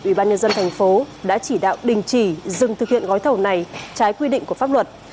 ủy ban nhân dân thành phố đã chỉ đạo đình chỉ dừng thực hiện gói thầu này trái quy định của pháp luật